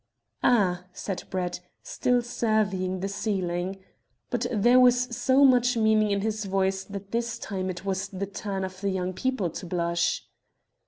"Ah!" said Brett, still surveying the ceiling; but there was so much meaning in his voice that this time it was the turn of the young couple to blush.